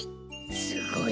すごい！